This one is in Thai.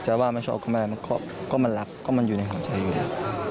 ว่าไม่ชอบก็ไม่ก็มันรักก็มันอยู่ในหัวใจอยู่แล้ว